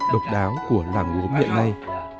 độc đáo của làng gốm hiện nay